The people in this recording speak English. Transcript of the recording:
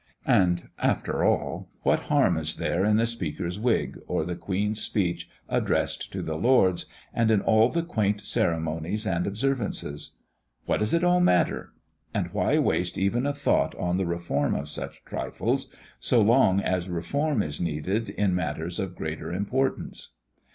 And, after all, what harm is there in the Speaker's wig, or the Queen's speech addressed to the Lords, and in all the quaint ceremonies and observances? What does it all matter? And why waste even a thought on the reform of such trifles, so long as reform is needed in matters of greater importance?